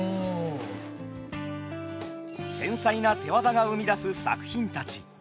繊細な手業が生み出す作品たち。